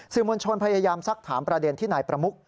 มวลชนพยายามสักถามประเด็นที่นายประมุก